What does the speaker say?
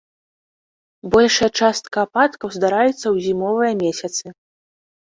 Большая частка ападкаў здараецца ў зімовыя месяцы.